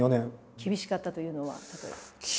厳しかったというのは例えば？